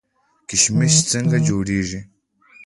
کشمش څنګه جوړیږي؟